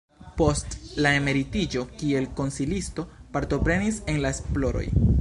Post la emeritiĝo kiel konsilisto partoprenis en la esploroj.